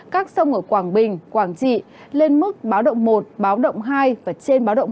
các sông ở quảng bình quảng trị lên mức báo động một báo động hai và trên báo động một